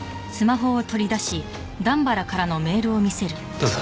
どうぞ。